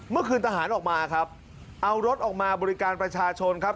เมื่อคืนทหารออกมาครับเอารถออกมาบริการประชาชนครับ